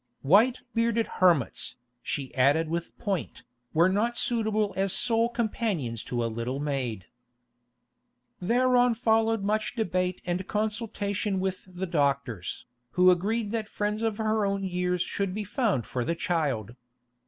"White bearded hermits," she added with point, "were not suitable as sole companions to a little maid." Thereon followed much debate and consultation with the doctors, who agreed that friends of her own years should be found for the child.